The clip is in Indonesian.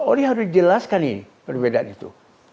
orang harus dijelaskan ini perbedaan itu